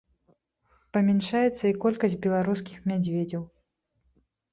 Памяншаецца і колькасць беларускіх мядзведзяў.